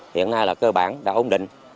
hiện nay là cơ bản đã ổn định